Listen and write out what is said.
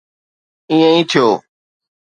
ائين ئي ٿيو.